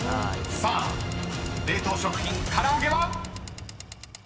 ［さあ冷凍食品からあげは⁉］